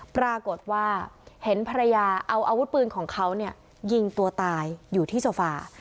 ปรากฏว่าเห็นภรรยาเอาอาวุธปืนของเขายิงตัวตายอยู่ที่โซฟา